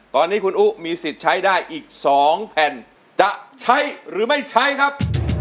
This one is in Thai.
ตอนนี้คุณอุ๊มีสิทธิ์ใช้ได้อีก๒แผ่นจะใช้หรือไม่ใช้ครับ